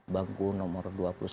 bangku nomor dua puluh satu